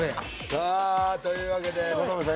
さあというわけで小峠さん